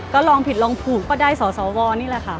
ก็ลองผิดลองถูกก็ได้สสวนี่แหละค่ะ